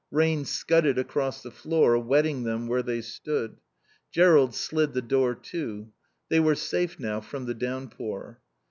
Rain scudded across the floor, wetting them where they stood. Jerrold slid the door to. They were safe now from the downpour.